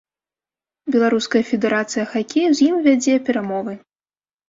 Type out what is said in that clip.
Беларуская федэрацыя хакею з ім вядзе перамовы.